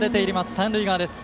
三塁側です。